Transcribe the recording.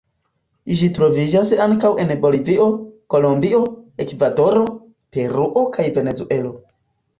Ĝi troviĝas ankaŭ en Bolivio, Kolombio, Ekvadoro, Peruo kaj Venezuelo.